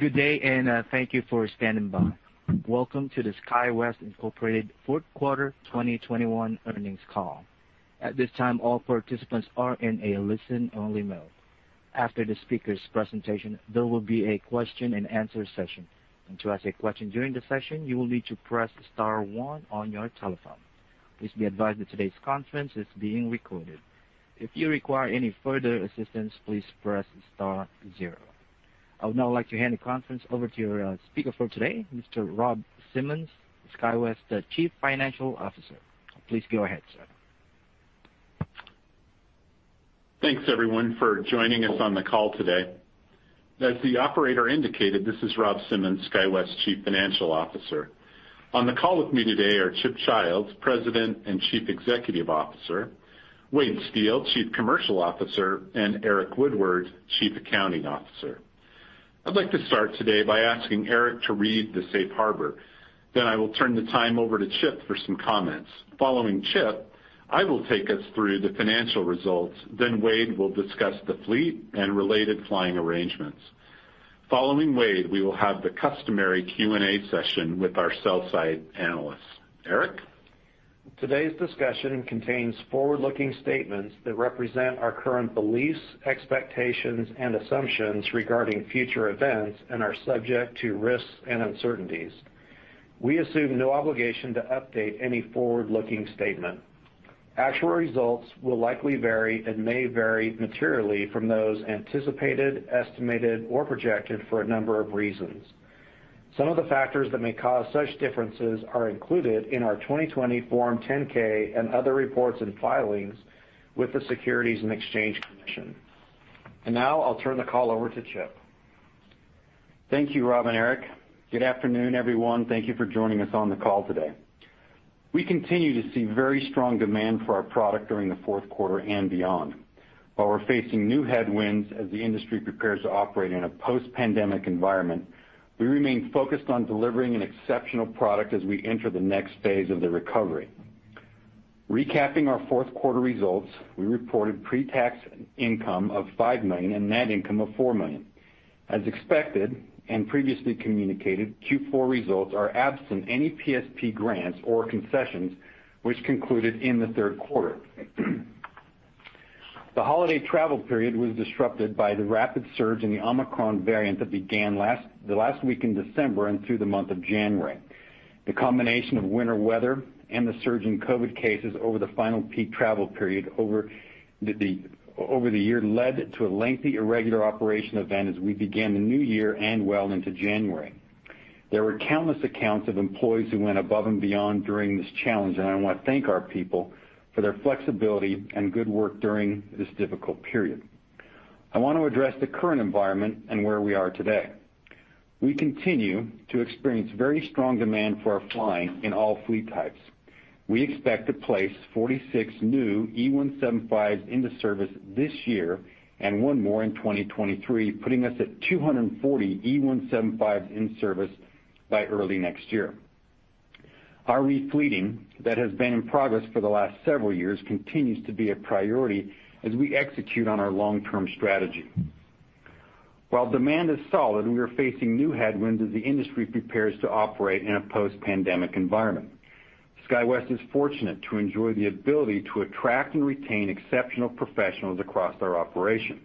Good day, and thank you for standing by. Welcome to the SkyWest Incorporated fourth quarter 2021 earnings call. At this time, all participants are in a listen-only mode. After the speaker's presentation, there will be a question-and-answer session. To ask a question during the session, you will need to press star one on your telephone. Please be advised that today's conference is being recorded. If you require any further assistance, please press star zero. I would now like to hand the conference over to your speaker for today, Mr. Rob Simmons, SkyWest's Chief Financial Officer. Please go ahead, sir. Thanks, everyone, for joining us on the call today. As the operator indicated, this is Rob Simmons, SkyWest's Chief Financial Officer. On the call with me today are Chip Childs, President and Chief Executive Officer, Wade Steel, Chief Commercial Officer, and Eric Woodward, Chief Accounting Officer. I'd like to start today by asking Eric to read the safe harbor. Then I will turn the time over to Chip for some comments. Following Chip, I will take us through the financial results, then Wade will discuss the fleet and related flying arrangements. Following Wade, we will have the customary Q&A session with our sell side analysts. Eric? Today's discussion contains forward-looking statements that represent our current beliefs, expectations and assumptions regarding future events and are subject to risks and uncertainties. We assume no obligation to update any forward-looking statement. Actual results will likely vary and may vary materially from those anticipated, estimated or projected for a number of reasons. Some of the factors that may cause such differences are included in our 2020 Form 10-K and other reports and filings with the Securities and Exchange Commission. Now, I'll turn the call over to Chip. Thank you, Rob and Eric. Good afternoon, everyone. Thank you for joining us on the call today. We continue to see very strong demand for our product during the fourth quarter and beyond. While we're facing new headwinds as the industry prepares to operate in a post-pandemic environment, we remain focused on delivering an exceptional product as we enter the next phase of the recovery. Recapping our fourth quarter results, we reported pre-tax income of $5 million and net income of $4 million. As expected and previously communicated, Q4 results are absent any PSP grants or concessions which concluded in the third quarter. The holiday travel period was disrupted by the rapid surge in the Omicron variant that began the last week in December and through the month of January. The combination of winter weather and the surge in COVID cases over the final peak travel period over the year led to a lengthy irregular operations event as we began the new year and well into January. There were countless accounts of employees who went above and beyond during this challenge, and I wanna thank our people for their flexibility and good work during this difficult period. I want to address the current environment and where we are today. We continue to experience very strong demand for our flying in all fleet types. We expect to place 46 new E175s into service this year and one more in 2023, putting us at 240 E175s in service by early next year. Our re-fleeting that has been in progress for the last several years continues to be a priority as we execute on our long-term strategy. While demand is solid and we are facing new headwinds as the industry prepares to operate in a post-pandemic environment, SkyWest is fortunate to enjoy the ability to attract and retain exceptional professionals across our operation.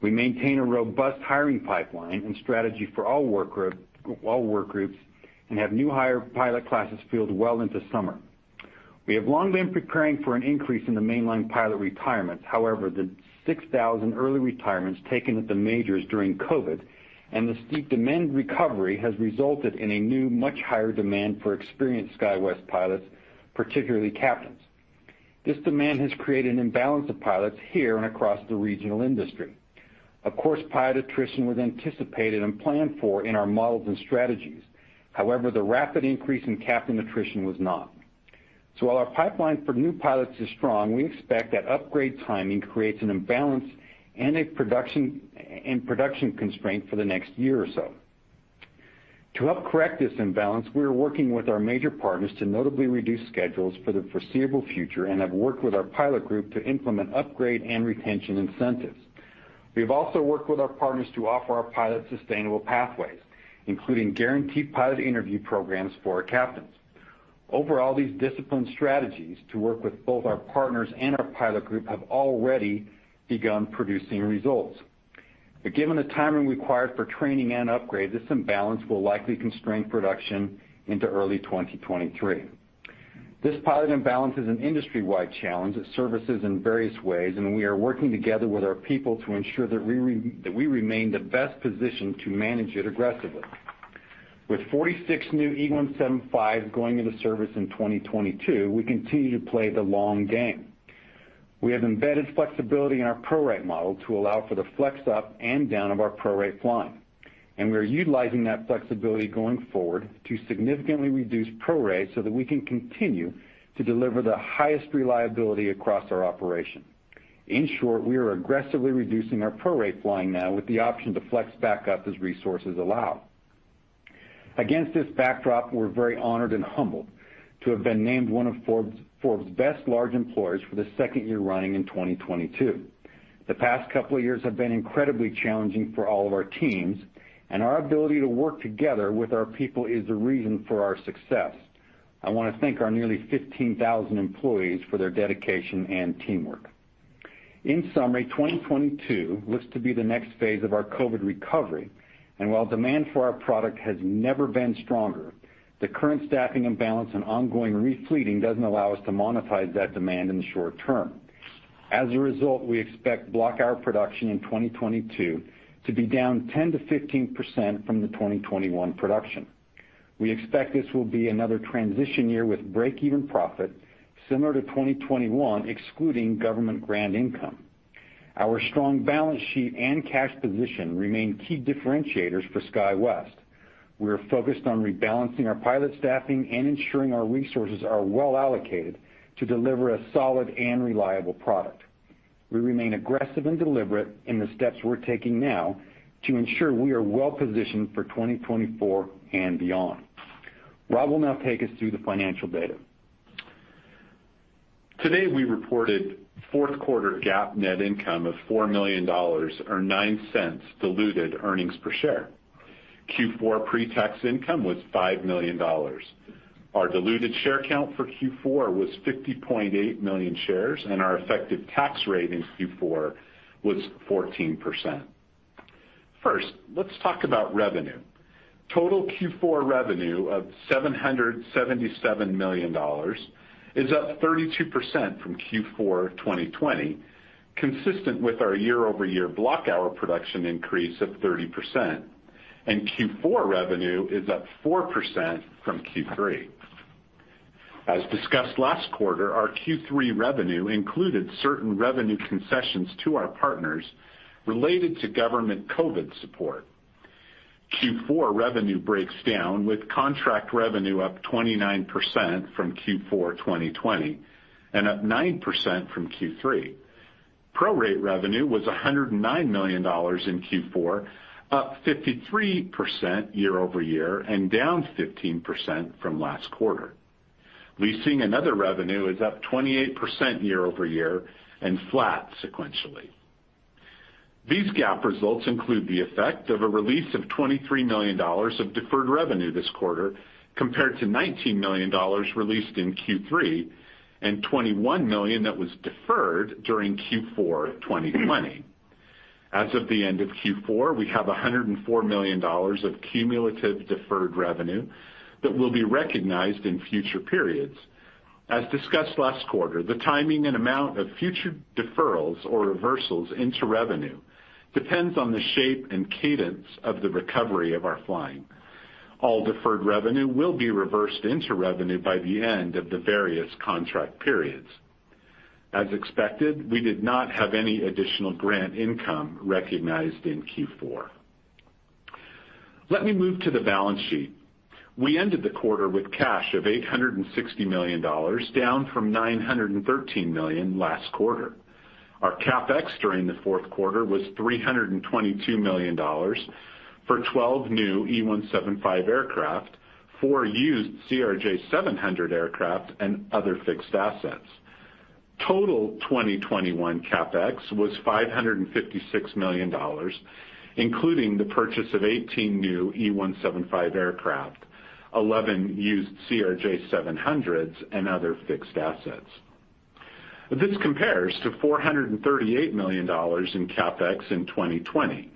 We maintain a robust hiring pipeline and strategy for all work groups and have new hire pilot classes filled well into summer. We have long been preparing for an increase in the mainline pilot retirements. However, the 6,000 early retirements taken at the majors during COVID and the steep demand recovery has resulted in a new, much higher demand for experienced SkyWest pilots, particularly captains. This demand has created an imbalance of pilots here and across the regional industry. Of course, pilot attrition was anticipated and planned for in our models and strategies. However, the rapid increase in captain attrition was not. While our pipeline for new pilots is strong, we expect that upgrade timing creates an imbalance and a production constraint for the next year or so. To help correct this imbalance, we are working with our major partners to notably reduce schedules for the foreseeable future and have worked with our pilot group to implement upgrade and retention incentives. We have also worked with our partners to offer our pilots sustainable pathways, including guaranteed pilot interview programs for our captains. Overall, these disciplined strategies to work with both our partners and our pilot group have already begun producing results. Given the timing required for training and upgrades, this imbalance will likely constrain production into early 2023. This pilot imbalance is an industry-wide challenge. It surfaces in various ways, and we are working together with our people to ensure that we remain the best positioned to manage it aggressively. With 46 new E175s going into service in 2022, we continue to play the long game. We have embedded flexibility in our pro rate model to allow for the flex up and down of our pro rate flying, and we are utilizing that flexibility going forward to significantly reduce pro rates so that we can continue to deliver the highest reliability across our operation. In short, we are aggressively reducing our pro rate flying now with the option to flex back up as resources allow. Against this backdrop, we're very honored and humbled to have been named one of Forbes Best Large Employers for the second year running in 2022. The past couple of years have been incredibly challenging for all of our teams, and our ability to work together with our people is the reason for our success. I wanna thank our nearly 15,000 employees for their dedication and teamwork. In summary, 2022 looks to be the next phase of our COVID recovery. While demand for our product has never been stronger, the current staffing imbalance and ongoing re-fleeting doesn't allow us to monetize that demand in the short term. As a result, we expect block hour production in 2022 to be down 10%-15% from the 2021 production. We expect this will be another transition year with break-even profit similar to 2021, excluding government grant income. Our strong balance sheet and cash position remain key differentiators for SkyWest. We are focused on rebalancing our pilot staffing and ensuring our resources are well-allocated to deliver a solid and reliable product. We remain aggressive and deliberate in the steps we're taking now to ensure we are well-positioned for 2024 and beyond. Rob will now take us through the financial data. Today, we reported fourth quarter GAAP net income of $4 million, or $0.09 diluted earnings per share. Q4 pre-tax income was $5 million. Our diluted share count for Q4 was 50.8 million shares, and our effective tax rate in Q4 was 14%. First, let's talk about revenue. Total Q4 revenue of $777 million is up 32% from Q4 2020, consistent with our year-over-year block hour production increase of 30%. Q4 revenue is up 4% from Q3. As discussed last quarter, our Q3 revenue included certain revenue concessions to our partners related to government COVID support. Q4 revenue breaks down with contract revenue up 29% from Q4 2020 and up 9% from Q3. Prorate revenue was $109 million in Q4, up 53% year-over-year and down 15% from last quarter. Leasing and other revenue is up 28% year-over-year and flat sequentially. These GAAP results include the effect of a release of $23 million of deferred revenue this quarter compared to $19 million released in Q3 and $21 million that was deferred during Q4 2020. As of the end of Q4, we have $104 million of cumulative deferred revenue that will be recognized in future periods. As discussed last quarter, the timing and amount of future deferrals or reversals into revenue depends on the shape and cadence of the recovery of our flying. All deferred revenue will be reversed into revenue by the end of the various contract periods. As expected, we did not have any additional grant income recognized in Q4. Let me move to the balance sheet. We ended the quarter with cash of $860 million, down from $913 million last quarter. Our CapEx during the fourth quarter was $322 million for 12 new E175 aircraft, four used CRJ700 aircraft, and other fixed assets. Total 2021 CapEx was $556 million, including the purchase of 18 new E175 aircraft, 11 used CRJ700s, and other fixed assets. This compares to $438 million in CapEx in 2020.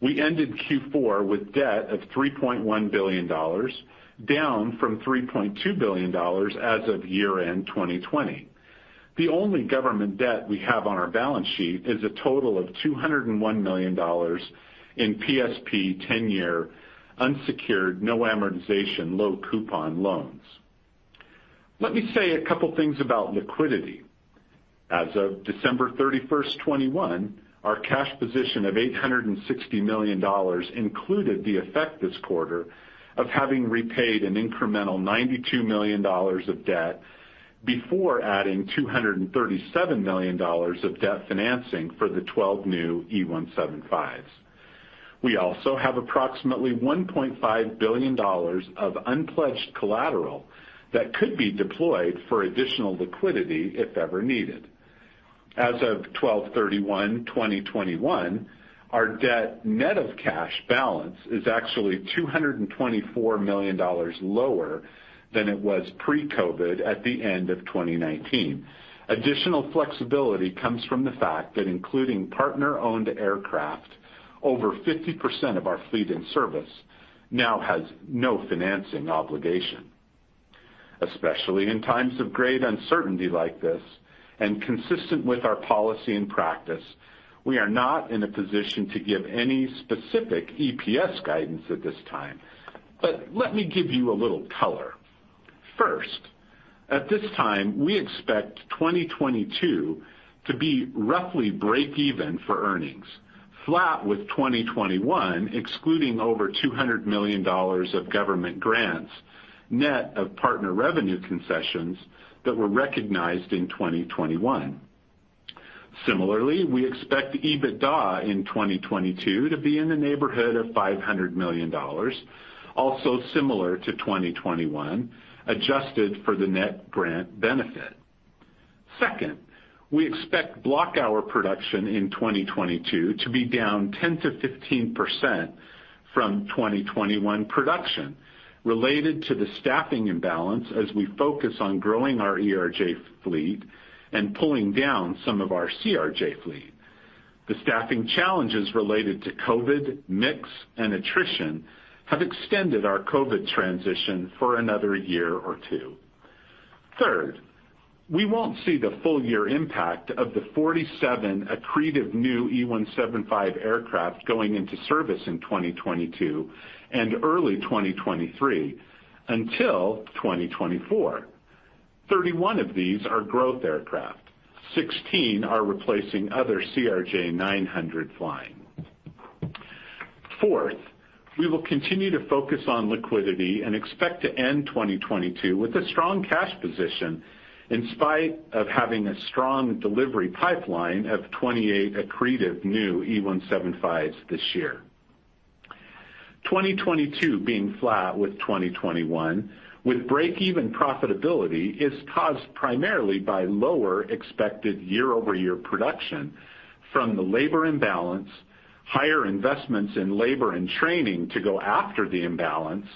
We ended Q4 with debt of $3.1 billion, down from $3.2 billion as of year-end 2020. The only government debt we have on our balance sheet is a total of $201 million in PSP 10-year unsecured, no amortization, low coupon loans. Let me say a couple things about liquidity. As of December 31, 2021, our cash position of $860 million included the effect this quarter of having repaid an incremental $92 million of debt before adding $237 million of debt financing for the 12 new E175s. We also have approximately $1.5 billion of unpledged collateral that could be deployed for additional liquidity if ever needed. As of 12/31/2021, our debt net of cash balance is actually $224 million lower than it was pre-COVID at the end of 2019. Additional flexibility comes from the fact that including partner-owned aircraft, over 50% of our fleet in service now has no financing obligation. Especially in times of great uncertainty like this, and consistent with our policy and practice, we are not in a position to give any specific EPS guidance at this time. Let me give you a little color. First, at this time, we expect 2022 to be roughly break even for earnings, flat with 2021, excluding over $200 million of government grants, net of partner revenue concessions that were recognized in 2021. Similarly, we expect EBITDA in 2022 to be in the neighborhood of $500 million, also similar to 2021, adjusted for the net grant benefit. Second, we expect block hour production in 2022 to be down 10%-15% from 2021 production related to the staffing imbalance as we focus on growing our ERJ fleet and pulling down some of our CRJ fleet. The staffing challenges related to COVID, mix, and attrition have extended our COVID transition for another year or two. Third, we won't see the full year impact of the 47 accretive new E175 aircraft going into service in 2022 and early 2023 until 2024. 31 of these are growth aircraft. 16 are replacing other CRJ900 flying. Fourth, we will continue to focus on liquidity and expect to end 2022 with a strong cash position in spite of having a strong delivery pipeline of 28 accretive new E175s this year. 2022 being flat with 2021 with break-even profitability is caused primarily by lower expected year-over-year production from the labor imbalance, higher investments in labor and training to go after the imbalance,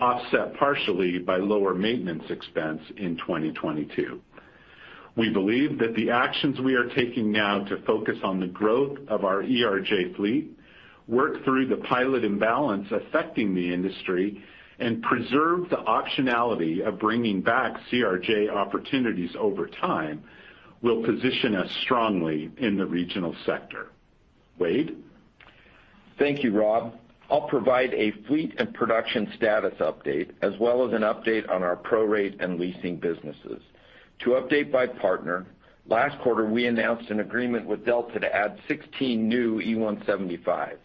offset partially by lower maintenance expense in 2022. We believe that the actions we are taking now to focus on the growth of our ERJ fleet work through the pilot imbalance affecting the industry and preserve the optionality of bringing back CRJ opportunities over time will position us strongly in the regional sector. Wade? Thank you, Rob. I'll provide a fleet and production status update as well as an update on our prorate and leasing businesses. To update our partners, last quarter, we announced an agreement with Delta to add 16 new E175s.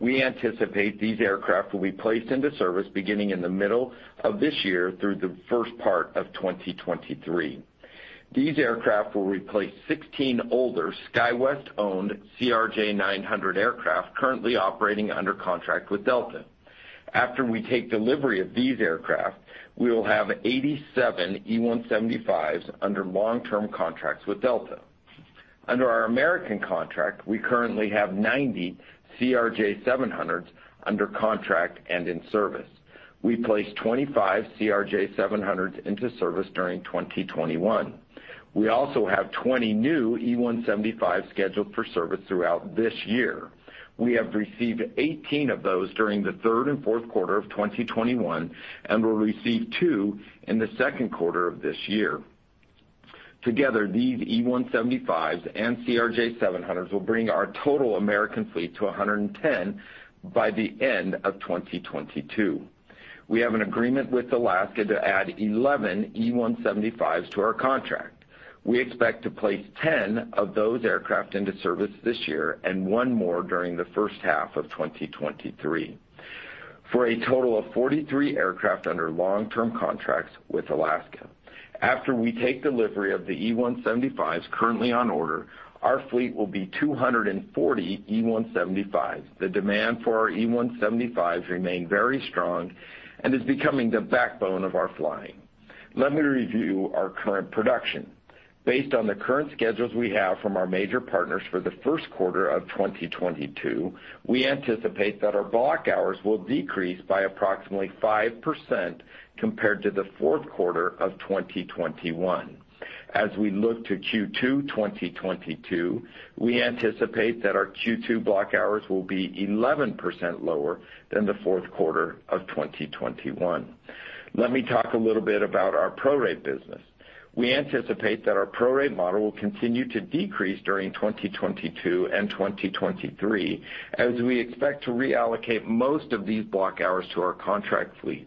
We anticipate these aircraft will be placed into service beginning in the middle of this year through the first part of 2023. These aircraft will replace 16 older SkyWest-owned CRJ900 aircraft currently operating under contract with Delta. After we take delivery of these aircraft, we will have 87 E175s under long-term contracts with Delta. Under our American contract, we currently have 90 CRJ700s under contract and in service. We placed 25 CRJ700s into service during 2021. We also have 20 new E175s scheduled for service throughout this year. We have received 18 of those during the third and fourth quarters of 2021 and will receive two in the second quarter of this year. Together, these E175s and CRJ700s will bring our total American fleet to 110 by the end of 2022. We have an agreement with Alaska to add 11 E175s to our contract. We expect to place 10 of those aircraft into service this year and 1 more during the first half of 2023 for a total of 43 aircraft under long-term contracts with Alaska. After we take delivery of the E175s currently on order, our fleet will be 240 E175s. The demand for our E175s remains very strong and is becoming the backbone of our flying. Let me review our current production. Based on the current schedules we have from our major partners for the first quarter of 2022, we anticipate that our block hours will decrease by approximately 5% compared to the fourth quarter of 2021. As we look to Q2 2022, we anticipate that our Q2 block hours will be 11% lower than the fourth quarter of 2021. Let me talk a little bit about our prorate business. We anticipate that our prorate model will continue to decrease during 2022 and 2023 as we expect to reallocate most of these block hours to our contract fleet.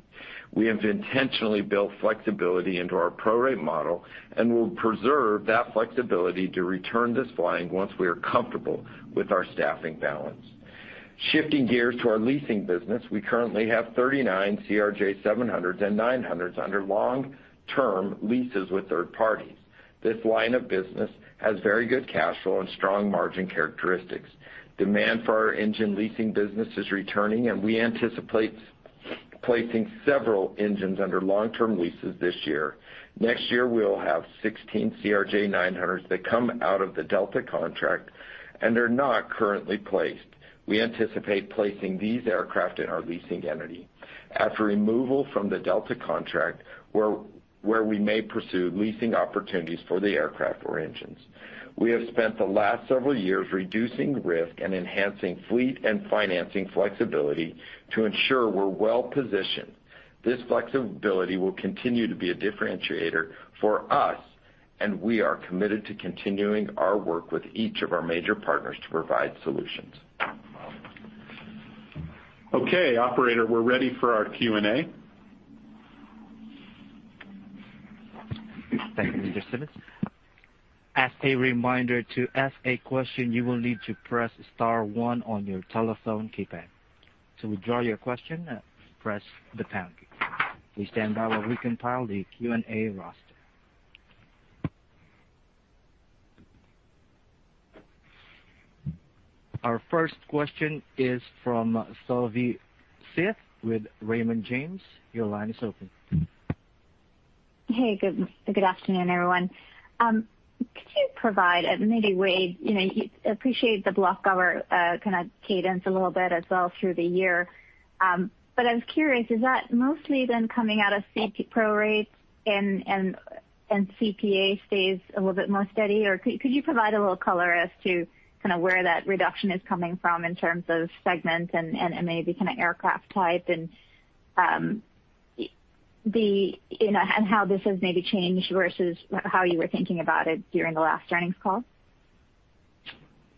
We have intentionally built flexibility into our prorate model and will preserve that flexibility to return this flying once we are comfortable with our staffing balance. Shifting gears to our leasing business, we currently have 39 CRJ700s and CRJ900s under long-term leases with third parties. This line of business has very good cash flow and strong margin characteristics. Demand for our engine leasing business is returning, and we anticipate placing several engines under long-term leases this year. Next year, we'll have 16 CRJ900s that come out of the Delta contract and are not currently placed. We anticipate placing these aircraft in our leasing entity. After removal from the Delta contract, we may pursue leasing opportunities for the aircraft or engines. We have spent the last several years reducing risk and enhancing fleet and financing flexibility to ensure we're well positioned. This flexibility will continue to be a differentiator for us, and we are committed to continuing our work with each of our major partners to provide solutions. Okay, operator, we're ready for our Q&A. Thank you, Mr. Simmons. As a reminder, to ask a question, you will need to press star one on your telephone keypad. To withdraw your question, press the pound key. Please stand by while we compile the Q&A roster. Our first question is from Savi Syth with Raymond James. Your line is open. Hey, good afternoon, everyone. Could you provide, maybe Wade, you know, you appreciate the block hour kind of cadence a little bit as well through the year. I was curious, is that mostly then coming out of CP prorates and CPA stays a little bit more steady? Could you provide a little color as to kinda where that reduction is coming from in terms of segments and maybe kind of aircraft type and you know and how this has maybe changed versus how you were thinking about it during the last earnings call?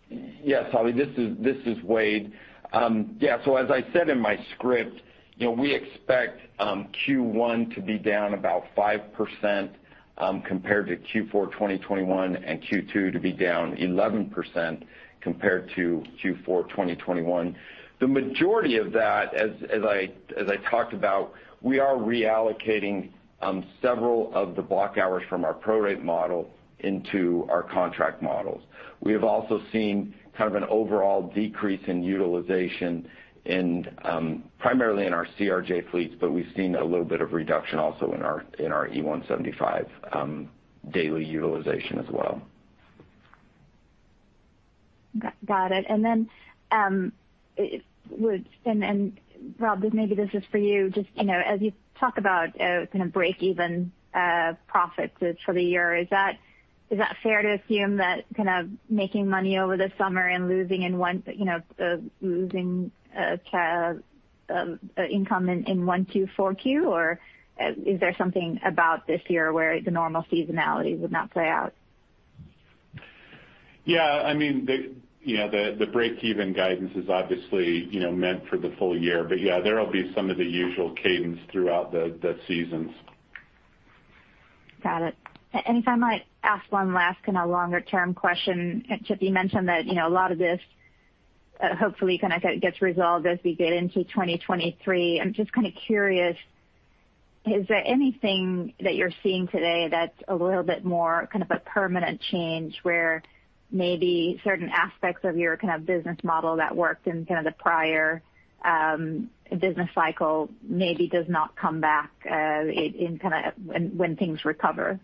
Yeah, Savi, this is Wade. As I said in my script, you know, we expect Q1 to be down about 5% compared to Q4 2021, and Q2 to be down 11% compared to Q4 2021. The majority of that, as I talked about, we are reallocating several of the block hours from our prorate model into our contract models. We have also seen kind of an overall decrease in utilization primarily in our CRJ fleets, but we've seen a little bit of reduction also in our E175 daily utilization as well. Got it. Rob, maybe this is for you, just, you know, as you talk about kind of breakeven profits for the year, is that fair to assume that kind of making money over the summer and losing income in Q1, Q2, Q4? Is there something about this year where the normal seasonality would not play out? Yeah, I mean, the breakeven guidance is obviously, you know, meant for the full year, but yeah, there will be some of the usual cadence throughout the seasons. Got it. If I might ask one last kinda longer term question. Chip, you mentioned that, you know, a lot of this, hopefully kinda gets resolved as we get into 2023. I'm just kinda curious, is there anything that you're seeing today that's a little bit more kind of a permanent change where maybe certain aspects of your kind of business model that worked in kind of the prior, business cycle maybe does not come back, in kinda when things recover?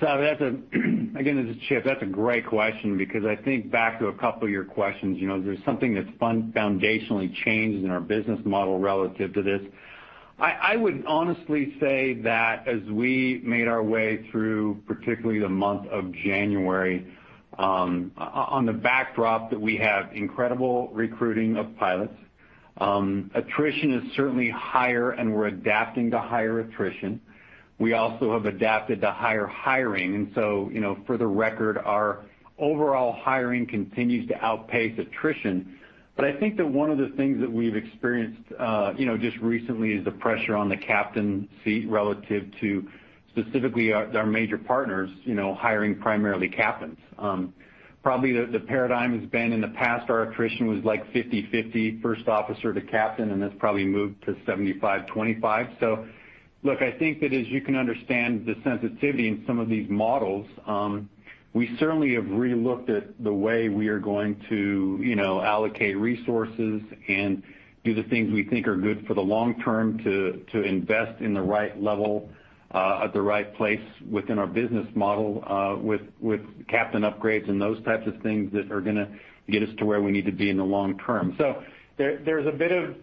Savi, again, this is Chip. That's a great question because I think back to a couple of your questions, you know, there's something that's fundamentally changed in our business model relative to this. I would honestly say that as we made our way through, particularly the month of January, on the backdrop that we have incredible recruiting of pilots, attrition is certainly higher, and we're adapting to higher attrition. We also have adapted to higher hiring, and so, you know, for the record, our overall hiring continues to outpace attrition. I think that one of the things that we've experienced, you know, just recently is the pressure on the captain seat relative to specifically our major partners, you know, hiring primarily captains. Probably the paradigm has been in the past, our attrition was like 50/50 first officer to captain, and that's probably moved to 75/25. Look, I think that as you can understand the sensitivity in some of these models, we certainly have re-looked at the way we are going to, you know, allocate resources and do the things we think are good for the long term to invest in the right level at the right place within our business model with captain upgrades and those types of things that are gonna get us to where we need to be in the long term. There's a bit of,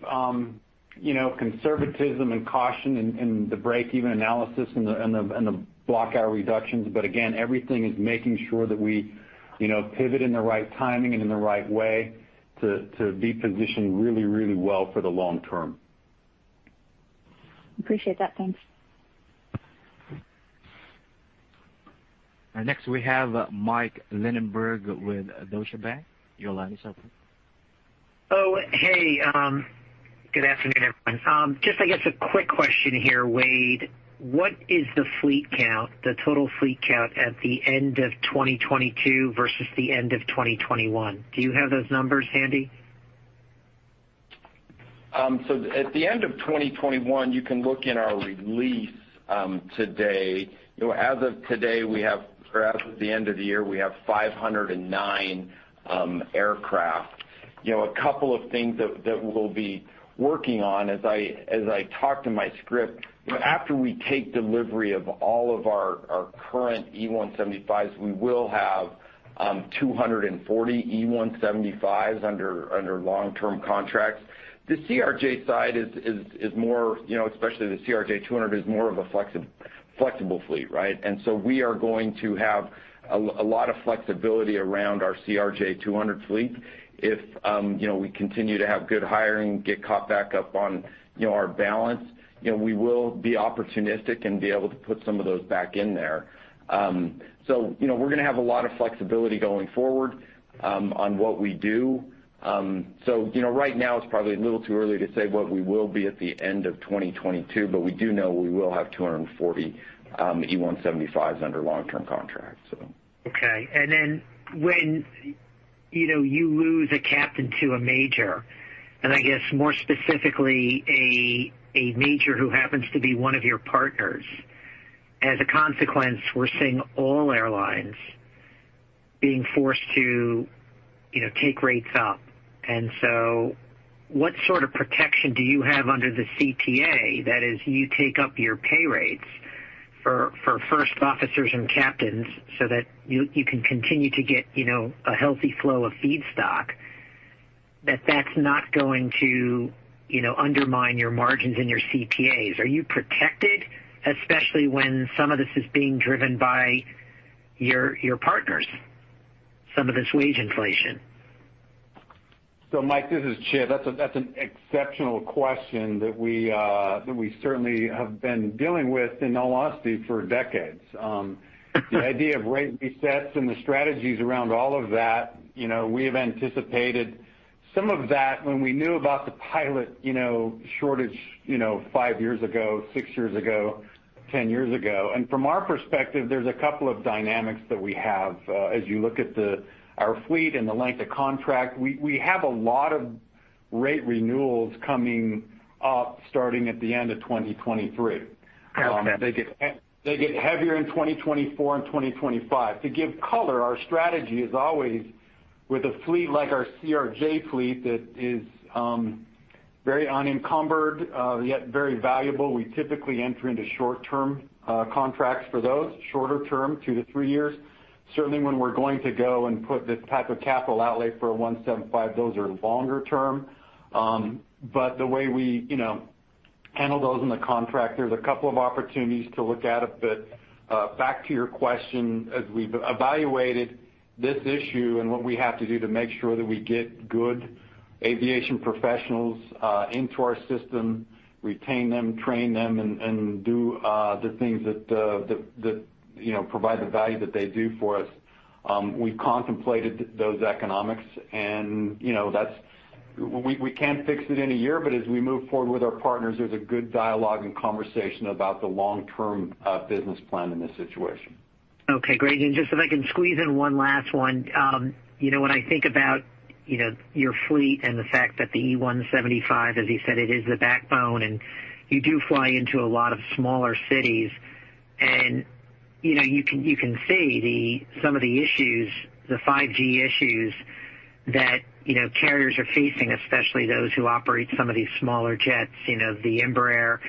you know, conservatism and caution in the breakeven analysis and the block hour reductions, but again, everything is making sure that we, you know, pivot in the right timing and in the right way to be positioned really, really well for the long term. Appreciate that. Thanks. Our next we have Mike Linenberg with Deutsche Bank. Your line is open. Oh, hey, good afternoon, everyone. Just, I guess, a quick question here, Wade. What is the fleet count, the total fleet count at the end of 2022 versus the end of 2021? Do you have those numbers handy? So at the end of 2021, you can look in our release today. You know, as of today, we have or as of the end of the year, we have 509 aircraft. You know, a couple of things that we'll be working on as I talked in my script, you know, after we take delivery of all of our current E175s, we will have 240 E175s under long-term contracts. The CRJ side is more, you know, especially the CRJ200 is more of a flexible fleet, right? We are going to have a lot of flexibility around our CRJ200 fleet. If you know, we continue to have good hiring, get caught back up on, you know, our balance, you know, we will be opportunistic and be able to put some of those back in there. You know, we're gonna have a lot of flexibility going forward, on what we do. You know, right now it's probably a little too early to say what we will be at the end of 2022, but we do know we will have 240 E175s under long-term contracts. Okay. You know, you lose a captain to a major, and I guess more specifically, a major who happens to be one of your partners. As a consequence, we're seeing all airlines being forced to, you know, take rates up. What sort of protection do you have under the CTA? That is, you take up your pay rates for first officers and captains so that you can continue to get, you know, a healthy flow of feedstock that's not going to, you know, undermine your margins and your CTAs. Are you protected, especially when some of this is being driven by your partners, some of this wage inflation? Mike, this is Chip. That's an exceptional question that we certainly have been dealing with, in all honesty, for decades. The idea of rate resets and the strategies around all of that, you know, we have anticipated some of that when we knew about the pilot, you know, shortage, you know, five years ago, six years ago, 10 years ago. From our perspective, there's a couple of dynamics that we have. As you look at our fleet and the length of contract, we have a lot of rate renewals coming up starting at the end of 2023. I understand. They get heavier in 2024 and 2025. To give color, our strategy is always with a fleet like our CRJ fleet that is very unencumbered yet very valuable. We typically enter into short term contracts for those, shorter term, two to three years. Certainly when we're going to go and put this type of capital outlay for an E175, those are longer term. But the way we, you know, handle those in the contract, there's a couple of opportunities to look at it. Back to your question, as we've evaluated this issue and what we have to do to make sure that we get good aviation professionals into our system, retain them, train them, and do the things that you know provide the value that they do for us, we contemplated those economics, and you know that's. We can't fix it in a year, but as we move forward with our partners, there's a good dialogue and conversation about the long-term business plan in this situation. Okay, great. Just so I can squeeze in one last one. You know, when I think about your fleet and the fact that the E175, as you said, it is the backbone, and you do fly into a lot of smaller cities, and you know, you can see some of the issues, the 5G issues that you know, carriers are facing, especially those who operate some of these smaller jets, you know, the Embraer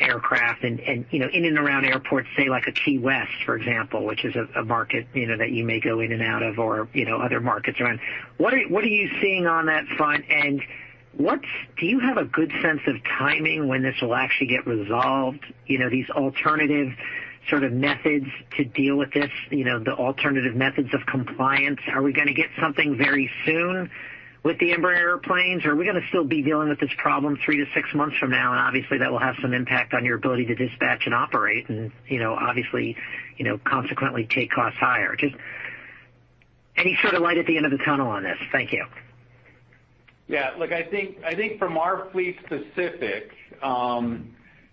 aircraft and you know, in and around airports, say like Key West, for example, which is a market you know, that you may go in and out of or you know, other markets around. What are you seeing on that front? Do you have a good sense of timing when this will actually get resolved? You know, these alternative sort of methods to deal with this, you know, the alternative methods of compliance. Are we gonna get something very soon with the Embraer airplanes, or are we gonna still be dealing with this problem three to six months from now? Obviously, that will have some impact on your ability to dispatch and operate and, you know, obviously, you know, consequently take costs higher. Just any sort of light at the end of the tunnel on this. Thank you. Yeah, look, I think from our fleet specific,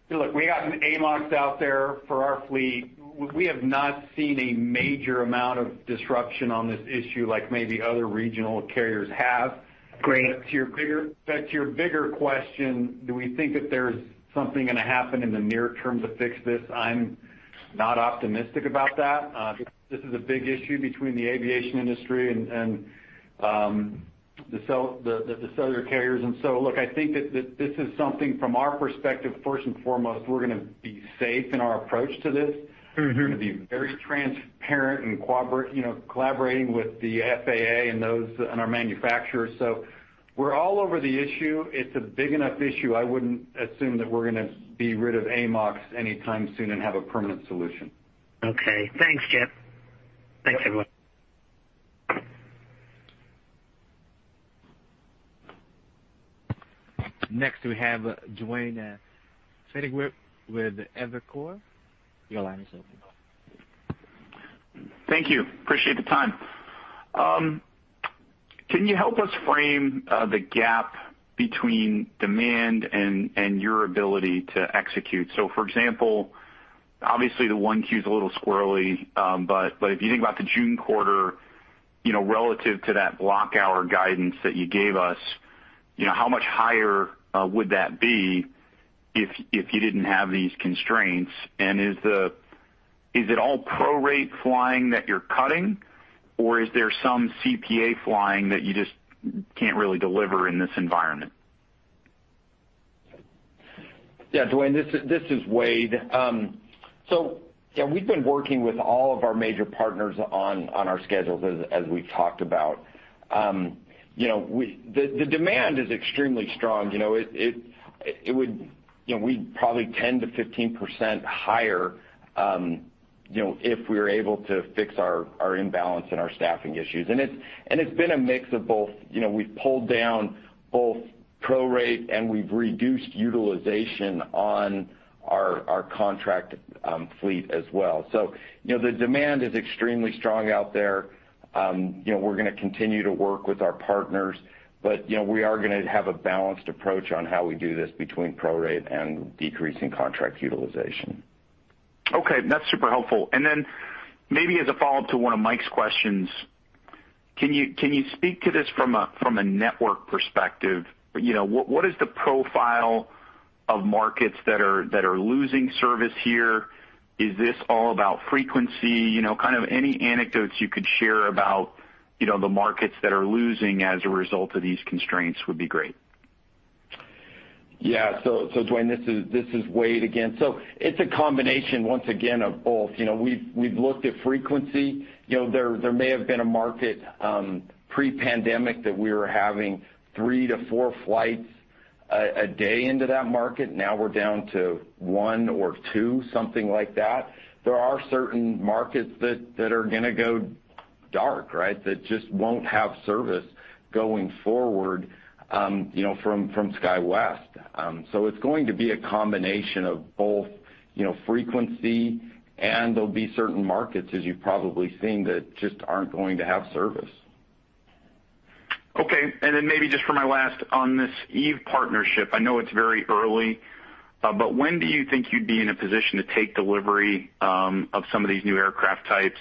we got AMOC out there for our fleet. We have not seen a major amount of disruption on this issue like maybe other regional carriers have. Great. To your bigger question, do we think that there's something gonna happen in the near term to fix this? I'm not optimistic about that. This is a big issue between the aviation industry and the cellular carriers. Look, I think that this is something from our perspective, first and foremost, we're gonna be safe in our approach to this. Mm-hmm. We're gonna be very transparent and cooperate, you know, collaborating with the FAA and those and our manufacturers. We're all over the issue. It's a big enough issue. I wouldn't assume that we're gonna be rid of AMOCs anytime soon and have a permanent solution. Okay. Thanks, Chip. Thanks, everyone. Next, we have Duane Pfennigwerth with Evercore. Your line is open. Thank you. Appreciate the time. Can you help us frame the gap between demand and your ability to execute? For example, obviously the 1Q is a little squirrely, but if you think about the June quarter, you know, relative to that block hour guidance that you gave us, you know, how much higher would that be if you didn't have these constraints? Is it all prorate flying that you're cutting, or is there some CPA flying that you just can't really deliver in this environment? Yeah, Duane, this is Wade. So yeah, we've been working with all of our major partners on our schedules as we've talked about. You know, the demand is extremely strong. You know, it would. You know, we'd probably 10%-15% higher, you know, if we were able to fix our imbalance and our staffing issues. It's been a mix of both. You know, we've pulled down both pro rate, and we've reduced utilization on our contract fleet as well. You know, the demand is extremely strong out there. You know, we're gonna continue to work with our partners, but you know, we are gonna have a balanced approach on how we do this between pro rate and decreasing contract utilization. Okay, that's super helpful. Maybe as a follow-up to one of Mike's questions, can you speak to this from a network perspective? You know, what is the profile of markets that are losing service here? Is this all about frequency? You know, kind of any anecdotes you could share about, you know, the markets that are losing as a result of these constraints would be great. Yeah. Duane, this is Wade again. It's a combination, once again, of both. You know, we've looked at frequency. You know, there may have been a market pre-pandemic that we were having three to four flights a day into that market. Now we're down to one or two, something like that. There are certain markets that are gonna go dark, right? That just won't have service going forward, you know, from SkyWest. It's going to be a combination of both, you know, frequency, and there'll be certain markets, as you've probably seen, that just aren't going to have service. Okay. Then maybe just for my last on this Eve partnership, I know it's very early, but when do you think you'd be in a position to take delivery of some of these new aircraft types?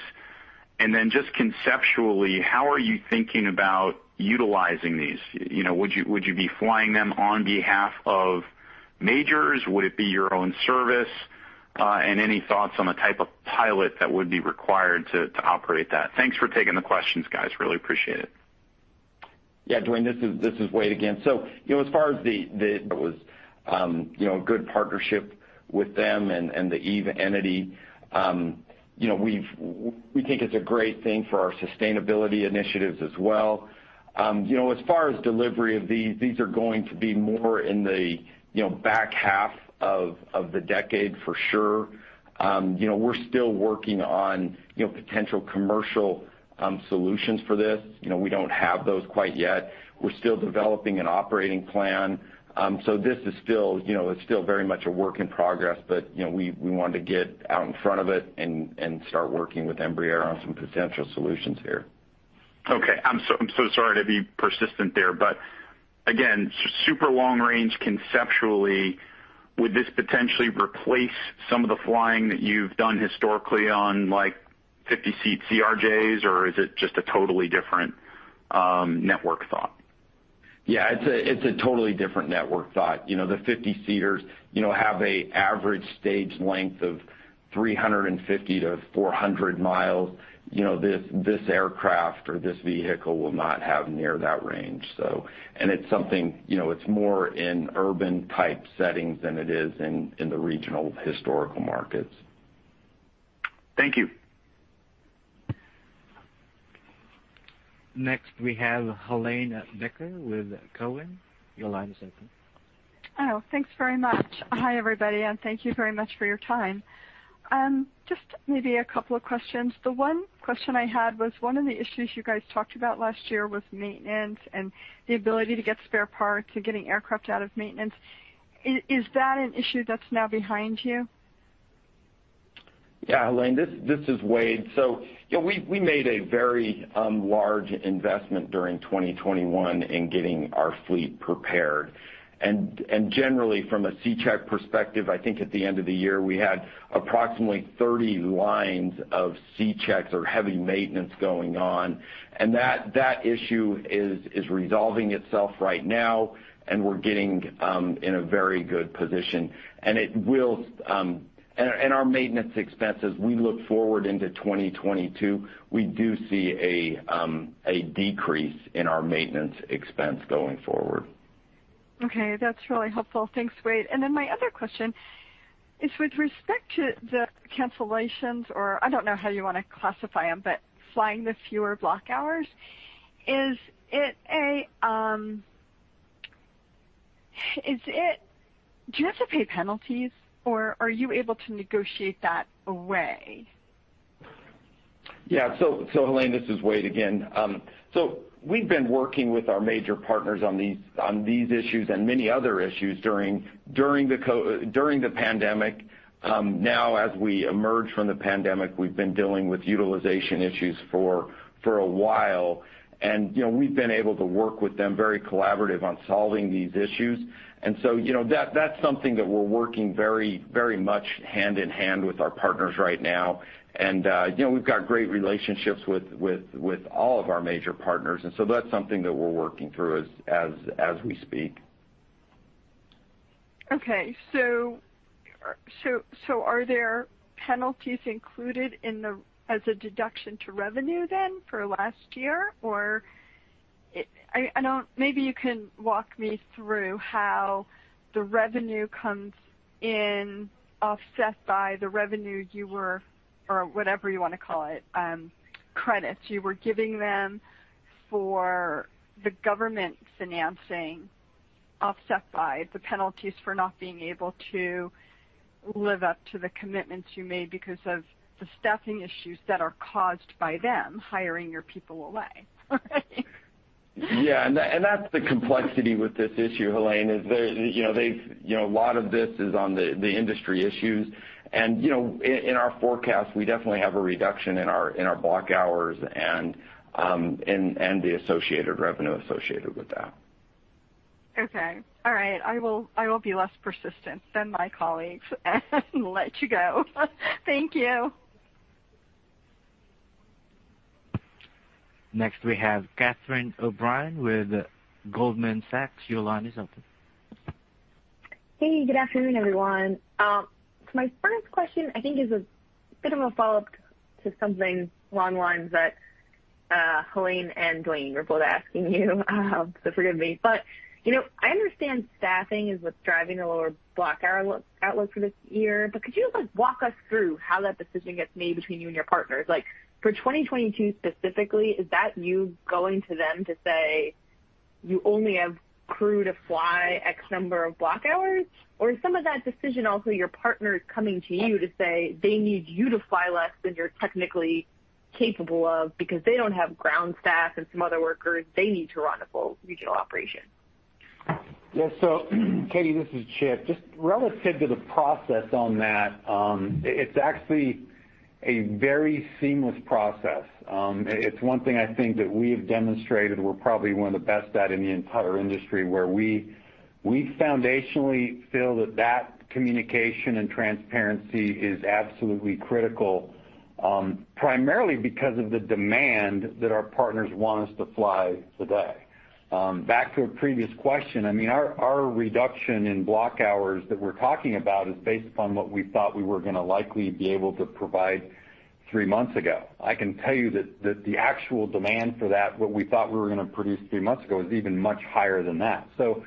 Then just conceptually, how are you thinking about utilizing these? You know, would you be flying them on behalf of majors? Would it be your own service? Any thoughts on the type of pilot that would be required to operate that? Thanks for taking the questions, guys. Really appreciate it. Yeah, Duane, this is Wade again. You know, as far as the it was a good partnership with them and the Eve entity. You know, we think it's a great thing for our sustainability initiatives as well. You know, as far as delivery of these are going to be more in the back half of the decade for sure. You know, we're still working on potential commercial solutions for this. You know, we don't have those quite yet. We're still developing an operating plan. This is still very much a work in progress, but you know, we wanted to get out in front of it and start working with Embraer on some potential solutions here. Okay. I'm so sorry to be persistent there, but again, super long range conceptually, would this potentially replace some of the flying that you've done historically on like 50-seat CRJs, or is it just a totally different network thought? Yeah. It's a totally different network thought. You know, the 50-seaters, you know, have an average stage length of 350-400 miles. You know, this aircraft or this vehicle will not have near that range, so. It's something you know, it's more in urban type settings than it is in the regional historical markets. Thank you. Next we have Helane Becker with Cowen. Your line is open. Oh, thanks very much. Hi, everybody, and thank you very much for your time. Just maybe a couple of questions. The one question I had was, one of the issues you guys talked about last year was maintenance and the ability to get spare parts and getting aircraft out of maintenance. Is that an issue that's now behind you? Yeah. Helane, this is Wade. You know, we made a very large investment during 2021 in getting our fleet prepared. Generally from a C-check perspective, I think at the end of the year, we had approximately 30 lines of C-checks or heavy maintenance going on. That issue is resolving itself right now, and we're getting in a very good position, and our maintenance expenses, we look forward into 2022, we do see a decrease in our maintenance expense going forward. Okay. That's really helpful. Thanks, Wade. My other question is with respect to the cancellations, or I don't know how you wanna classify them, but flying the fewer block hours, do you have to pay penalties or are you able to negotiate that away? Yeah. Helane, this is Wade again. We've been working with our major partners on these issues and many other issues during the pandemic. Now as we emerge from the pandemic, we've been dealing with utilization issues for a while. You know, we've been able to work with them very collaborative on solving these issues. You know, that's something that we're working very much hand in hand with our partners right now. You know, we've got great relationships with all of our major partners, and that's something that we're working through as we speak. Okay. Are there penalties included in the, as a deduction to revenue then for last year? I don't, maybe you can walk me through how the revenue comes in offset by the revenue you were, or whatever you wanna call it, credits you were giving them for the government financing offset by the penalties for not being able to live up to the commitments you made because of the staffing issues that are caused by them hiring your people away. Yeah. That's the complexity with this issue, Helane. You know, a lot of this is on the industry issues. You know, in our forecast, we definitely have a reduction in our block hours and the associated revenue with that. Okay. All right. I will be less persistent than my colleagues and let you go. Thank you. Next, we have Catherine O'Brien with Goldman Sachs. Your line is open. Hey, good afternoon, everyone. My first question, I think, is a bit of a follow-up to something along the lines that Helane and Duane were both asking you, so forgive me, but you know, I understand staffing is what's driving the lower block-hour outlook for this year. Could you just, like, walk us through how that decision gets made between you and your partners? Like, for 2022 specifically, is that you going to them to say you only have crew to fly X number of block hours? Or is some of that decision also your partners coming to you to say they need you to fly less than you're technically capable of because they don't have ground staff and some other workers they need to run a full regional operation? Yeah. Katie, this is Chip. Just relative to the process on that, it's actually a very seamless process. It's one thing I think that we have demonstrated we're probably one of the best at in the entire industry, where we foundationally feel that communication and transparency is absolutely critical, primarily because of the demand that our partners want us to fly today. Back to a previous question, I mean, our reduction in block hours that we're talking about is based upon what we thought we were gonna likely be able to provide three months ago. I can tell you that the actual demand for that, what we thought we were gonna produce three months ago, is even much higher than that. So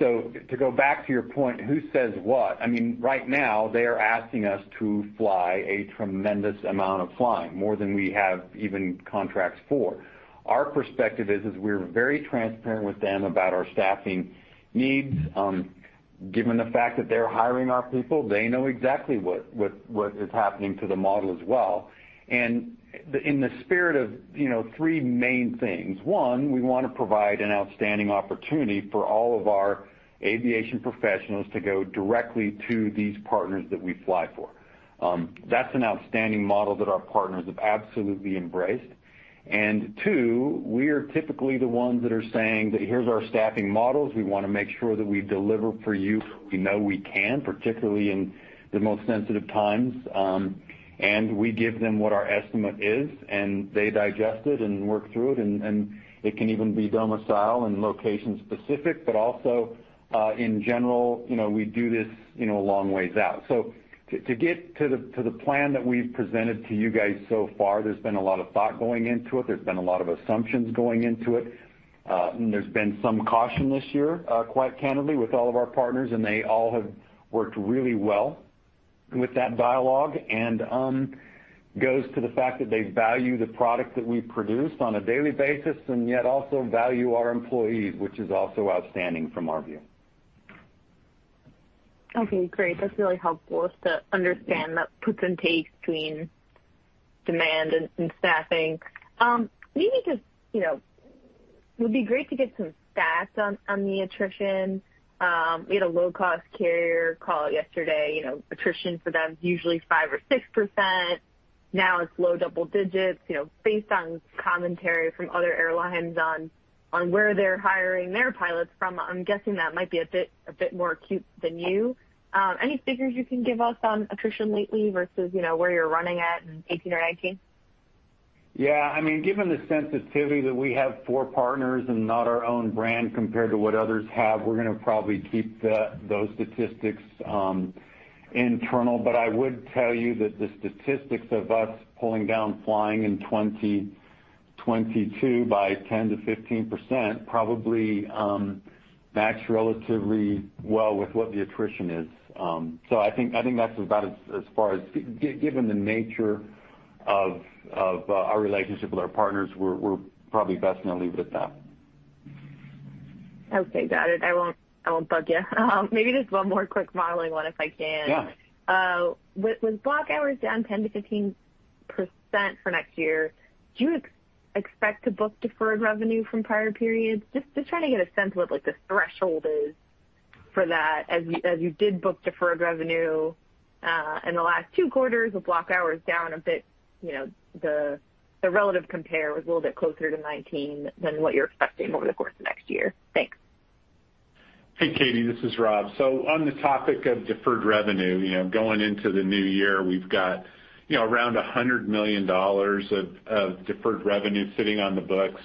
to go back to your point, who says what? I mean, right now they are asking us to fly a tremendous amount of flying, more than we have even contracts for. Our perspective is we're very transparent with them about our staffing needs. Given the fact that they're hiring our people, they know exactly what is happening to the model as well. In the spirit of, you know, three main things. One, we wanna provide an outstanding opportunity for all of our aviation professionals to go directly to these partners that we fly for. That's an outstanding model that our partners have absolutely embraced. Two, we are typically the ones that are saying that, "Here's our staffing models. We wanna make sure that we deliver for you. We know we can, particularly in the most sensitive times." And we give them what our estimate is, and they digest it and work through it, and it can even be domicile and location specific. Also, in general, you know, we do this, you know, a long ways out. To get to the plan that we've presented to you guys so far, there's been a lot of thought going into it. There's been a lot of assumptions going into it. There's been some caution this year, quite candidly, with all of our partners, and they all have worked really well with that dialogue, and goes to the fact that they value the product that we produce on a daily basis and yet also value our employees, which is also outstanding from our view. Okay, great. That's really helpful to understand that puts and takes between demand and staffing. Maybe just, you know, it would be great to get some stats on the attrition. We had a low-cost carrier call yesterday, you know, attrition for them is usually 5% or 6%. Now it's low double digits. You know, based on commentary from other airlines on where they're hiring their pilots from, I'm guessing that might be a bit more acute than you. Any figures you can give us on attrition lately versus, you know, where you're running at in 2018 or 2019? Yeah. I mean, given the sensitivity that we have for partners and not our own brand compared to what others have, we're gonna probably keep those statistics internal. I would tell you that the statistics of us pulling down flying in 2022 by 10%-15% probably match relatively well with what the attrition is. I think that's about as far as given the nature of our relationship with our partners, we're probably best gonna leave it at that. Okay, got it. I won't bug you. Maybe just one more quick modeling one if I can. Yeah. With block hours down 10%-15% for next year, do you expect to book deferred revenue from prior periods? Just trying to get a sense of what, like, the threshold is for that as you did book deferred revenue in the last two quarters with block hours down a bit. You know, the relative compare was a little bit closer to 19% than what you're expecting over the course of next year. Thanks. Hey, Katie, this is Rob. On the topic of deferred revenue, you know, going into the new year, we've got, you know, around $100 million of deferred revenue sitting on the books.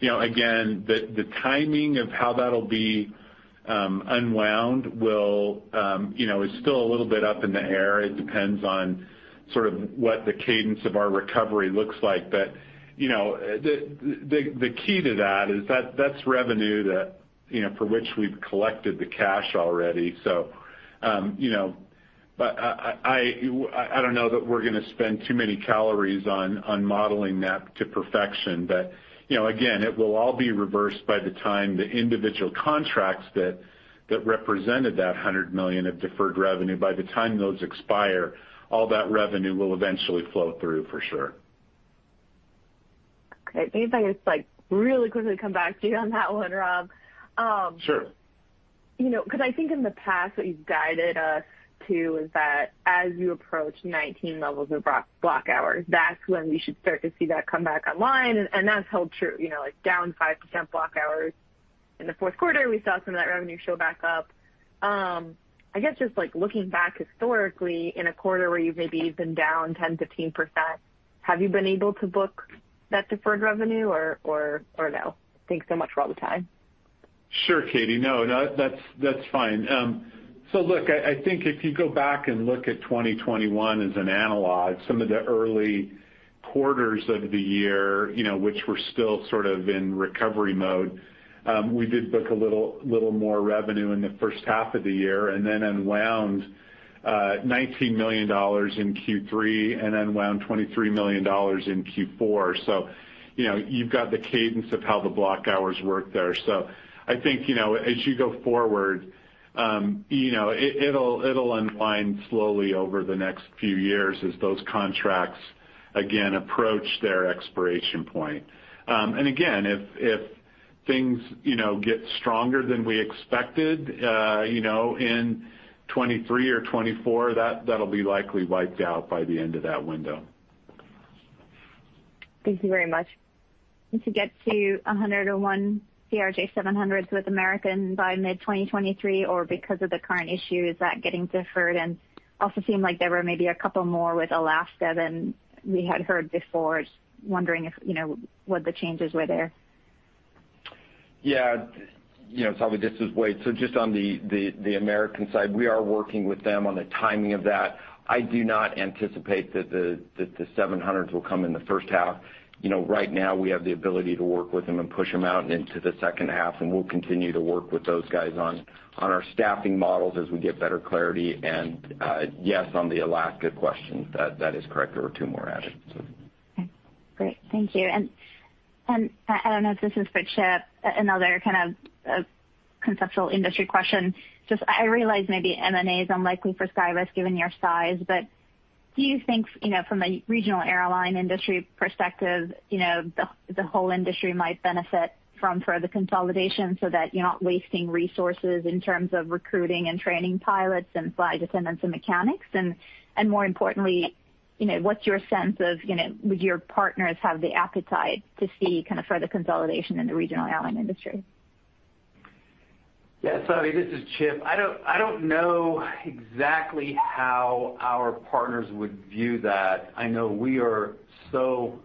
You know, again, the key to that is that that's revenue that, you know, for which we've collected the cash already. You know, but I don't know that we're gonna spend too many calories on modeling that to perfection. You know, again, it will all be reversed by the time the individual contracts that represented that $100 million of deferred revenue, by the time those expire, all that revenue will eventually flow through for sure. Okay. Maybe if I could just like really quickly come back to you on that one, Rob. Sure You know, because I think in the past, what you've guided us to is that as you approach 90 levels of block hours, that's when we should start to see that come back online. That's held true, you know, like down 5% block hours in the fourth quarter, we saw some of that revenue show back up. I guess just like looking back historically in a quarter where you've maybe been down 10%, 15%, have you been able to book that deferred revenue or no? Thanks so much for all the time. Sure, Katie. No, that's fine. Look, I think if you go back and look at 2021 as an analog, some of the early quarters of the year, you know, which were still sort of in recovery mode, we did book a little more revenue in the first half of the year and then unwound $19 million in Q3 and then unwound $23 million in Q4. You know, you've got the cadence of how the block hours work there. I think, you know, as you go forward, you know, it'll unwind slowly over the next few years as those contracts again approach their expiration point. Again, if things, you know, get stronger than we expected, you know, in 2023 or 2024, that'll be likely wiped out by the end of that window. Thank you very much. To get to 101 CRJ700s with American by mid-2023, or because of the current issues, that getting deferred, and also seemed like there were maybe a couple more with Alaska than we had heard before. Just wondering if, you know, what the changes were there. Yeah. You know, Savi, this is Wade. Just on the American side, we are working with them on the timing of that. I do not anticipate that the seven hundreds will come in the first half. You know, right now we have the ability to work with them and push them out and into the second half, and we'll continue to work with those guys on our staffing models as we get better clarity. Yes, on the Alaska question, that is correct. There are two more added, so. Okay, great. Thank you. I don't know if this is for Chip, another kind of conceptual industry question. Just, I realize maybe M&A is unlikely for SkyWest given your size, but do you think, you know, from a regional airline industry perspective, you know, the whole industry might benefit from further consolidation so that you're not wasting resources in terms of recruiting and training pilots and flight attendants and mechanics? More importantly, you know, what's your sense of, you know, would your partners have the appetite to see kind of further consolidation in the regional airline industry? Yeah. Savi, this is Chip. I don't know exactly how our partners would view that. I know we are so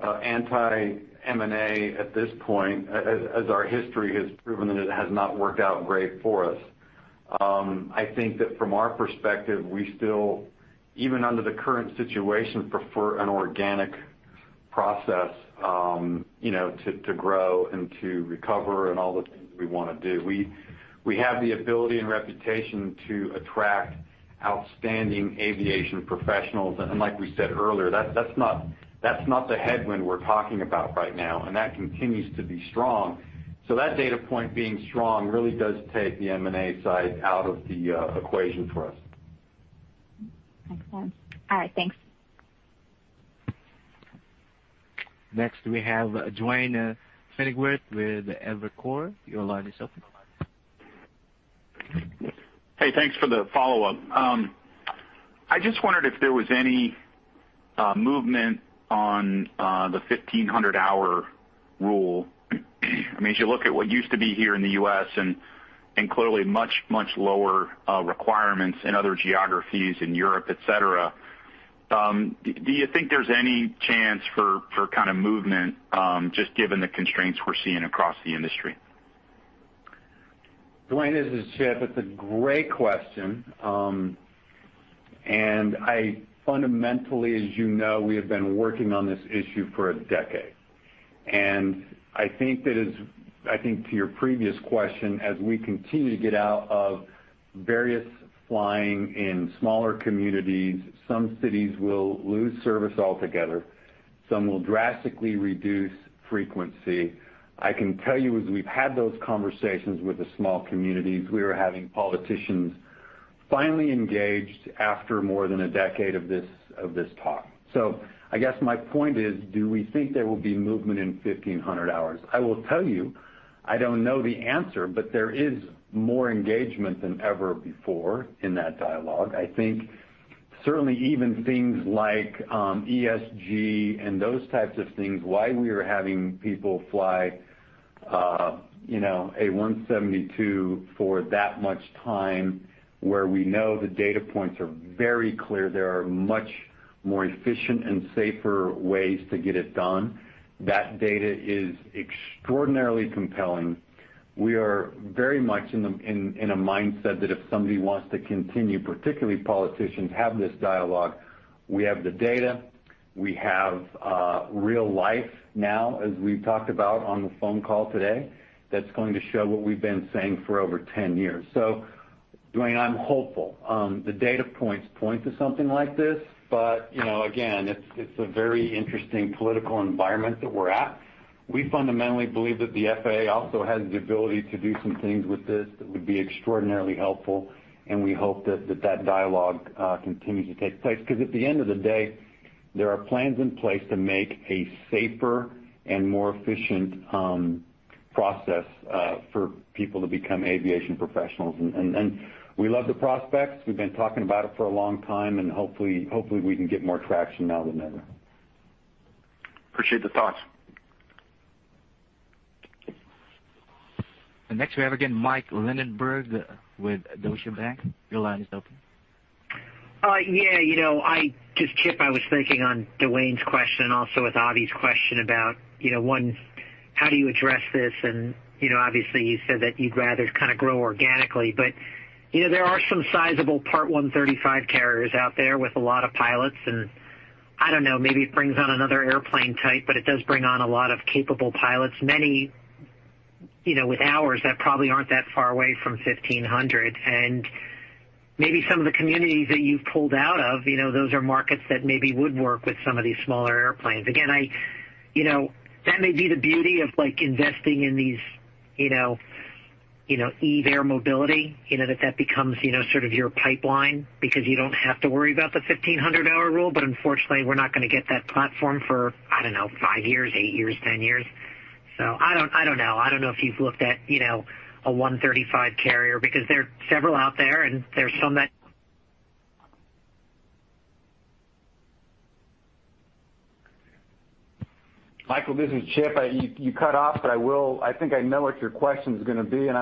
anti-M&A at this point, as our history has proven that it has not worked out great for us. I think that from our perspective, we still even under the current situation, prefer an organic process, you know to grow and to recover and all the things we wanna do. We have the ability and reputation to attract outstanding aviation professionals. Like we said earlier, that's not the headwind we're talking about right now, and that continues to be strong. That data point being strong really does take the M&A side out of the equation for us. Makes sense. All right, thanks. Next we have Duane Pfennigwerth with Evercore. Your line is open. Hey, thanks for the follow-up. I just wondered if there was any movement on the 1,500-hour rule. I mean, as you look at what used to be here in the U.S. and clearly much, much lower requirements in other geographies in Europe, et cetera, do you think there's any chance for kind of movement just given the constraints we're seeing across the industry? Duane, this is Chip. It's a great question. I fundamentally, as you know, we have been working on this issue for a decade. I think to your previous question, as we continue to get out of various flying in smaller communities, some cities will lose service altogether, some will drastically reduce frequency. I can tell you, as we've had those conversations with the small communities, we are having politicians finally engaged after more than a decade of this talk. I guess my point is, do we think there will be movement in 1,500 hours? I will tell you, I don't know the answer, but there is more engagement than ever before in that dialogue. I think certainly even things like ESG and those types of things, why we are having people fly, you know, a 172 for that much time where we know the data points are very clear, there are much more efficient and safer ways to get it done. That data is extraordinarily compelling. We are very much in a mindset that if somebody wants to continue, particularly politicians, have this dialogue, we have the data, we have real life now as we've talked about on the phone call today, that's going to show what we've been saying for over 10 years. Duane, I'm hopeful. The data points point to something like this. You know, again, it's a very interesting political environment that we're at. We fundamentally believe that the FAA also has the ability to do some things with this that would be extraordinarily helpful, and we hope that that dialogue continues to take place. Because at the end of the day, there are plans in place to make a safer and more efficient process for people to become aviation professionals. We love the prospects. We've been talking about it for a long time, and hopefully we can get more traction now than then. Appreciate the thoughts. Next, we have again Mike Linenberg with Deutsche Bank. Your line is open. Yeah, you know, just Chip, I was thinking on Duane's question also with Savi's question about, you know, one, how do you address this? You know, obviously, you said that you'd rather kind of grow organically. You know, there are some sizable Part 135 carriers out there with a lot of pilots, and I don't know, maybe it brings on another airplane type, but it does bring on a lot of capable pilots, many, you know, with hours that probably aren't that far away from 1,500. Maybe some of the communities that you've pulled out of, you know, those are markets that maybe would work with some of these smaller airplanes. Again, you know, that may be the beauty of like investing in these, you know, Eve Air Mobility, you know, that becomes, you know, sort of your pipeline because you don't have to worry about the 1,500-hour rule. Unfortunately, we're not gonna get that platform for, I don't know, five years, eight years, 10 years. I don't know. I don't know if you've looked at, you know, a 135 carrier because there are several out there, and there's so much Michael, this is Chip. You cut off, but I think I know what your question is gonna be, and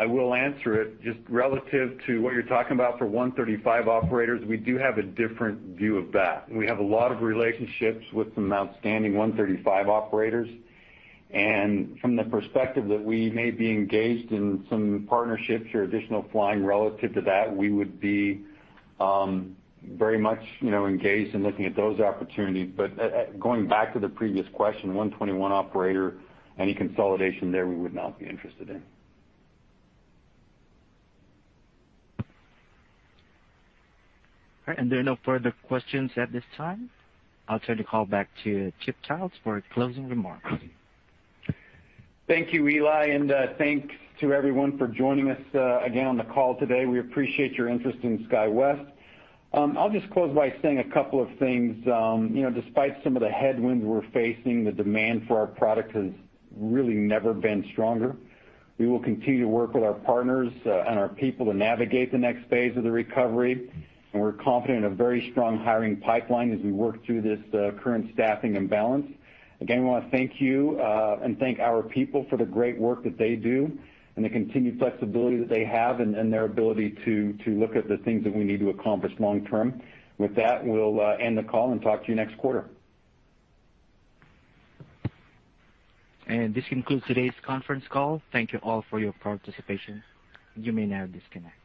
I will answer it just relative to what you're talking about for 135 operators. We do have a different view of that. We have a lot of relationships with some outstanding 135 operators. From the perspective that we may be engaged in some partnerships or additional flying relative to that, we would be very much, you know, engaged in looking at those opportunities. Going back to the previous question, 121 operator, any consolidation there we would not be interested in. All right. There are no further questions at this time. I'll turn the call back to Chip Childs for closing remarks. Thank you, Eli, and thanks to everyone for joining us again on the call today. We appreciate your interest in SkyWest. I'll just close by saying a couple of things. You know, despite some of the headwinds we're facing, the demand for our product has really never been stronger. We will continue to work with our partners and our people to navigate the next phase of the recovery, and we're confident in a very strong hiring pipeline as we work through this current staffing imbalance. Again, we wanna thank you and thank our people for the great work that they do and the continued flexibility that they have and their ability to look at the things that we need to accomplish long term. With that, we'll end the call and talk to you next quarter. This concludes today's conference call. Thank you all for your participation. You may now disconnect.